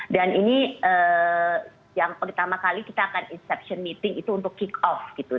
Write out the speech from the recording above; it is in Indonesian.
dan ini yang pertama kali kita akan inspection meeting itu untuk kick off gitu